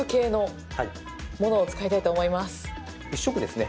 １色ですね